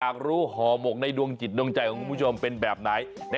อยากรู้ห่อหมกในดวงจิตดวงใจของคุณผู้ชมเป็นแบบไหน